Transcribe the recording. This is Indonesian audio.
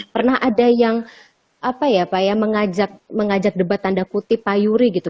pernah ada yang mengajak debat tanda putih pak yuri gitu